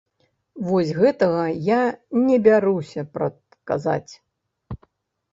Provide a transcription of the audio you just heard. Вось гэтага я не бяруся прадказаць.